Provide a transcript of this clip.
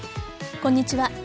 こんにちは。